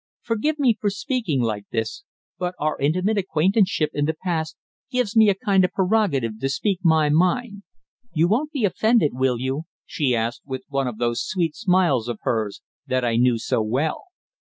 "Forgive me for speaking like this, but our intimate acquaintanceship in the past gives me a kind of prerogative to speak my mind. You won't be offended, will you?" she asked, with one of those sweet smiles of hers that I knew so well.